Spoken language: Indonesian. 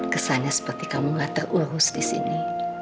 kesannya seperti kamu gak terurus disini